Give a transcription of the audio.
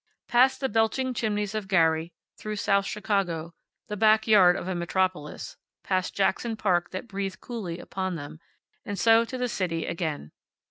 Past the belching chimneys of Gary, through South Chicago, the back yard of a metropolis, past Jackson Park that breathed coolly upon them, and so to the city again.